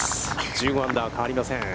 １５アンダー、変わりません。